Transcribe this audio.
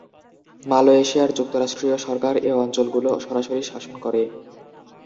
মালয়েশিয়ার যুক্তরাষ্ট্রীয় সরকার এ অঞ্চলগুলো সরাসরি শাসন করে।